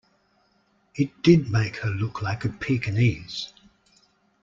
It did make her look like a Pekingese.